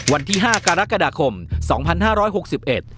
วันที่๕กรกฏ๒๕๖๑